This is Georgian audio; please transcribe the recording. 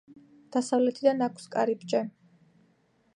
დასავლეთიდან აქვს კარიბჭე.